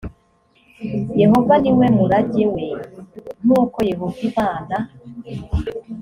yehova ni we murage we nk uko yehova imana